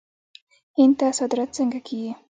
هند ته صادرات څنګه کیږي؟